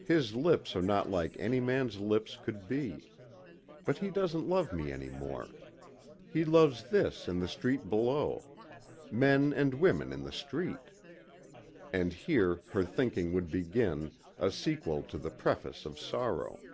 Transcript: His lips are not like any man's lips could be. But he doesn't love me any more. He loves this in the street below. Men and women in the street." And here her thinking would begin, a sequel to the preface of sorrow.